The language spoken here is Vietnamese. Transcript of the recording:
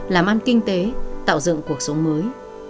làm ăn kinh tế tạo dựng cuộc sống mới